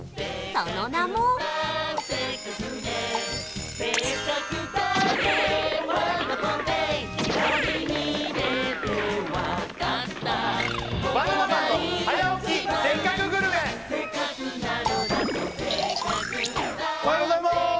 その名もおはようございまーす！